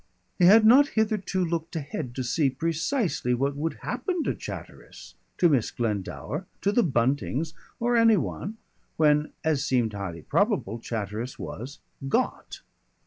He had not hitherto looked ahead to see precisely what would happen to Chatteris, to Miss Glendower, to the Buntings or any one when, as seemed highly probable, Chatteris was "got."